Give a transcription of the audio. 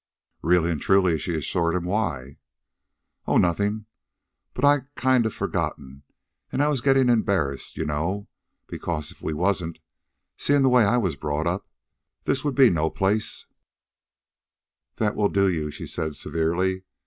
"Really and truly," she assured him. "Why?" "Oh, nothing; but I'd kind a forgotten, an' I was gettin' embarrassed, you know, because if we wasn't, seein' the way I was brought up, this'd be no place " "That will do you," she said severely.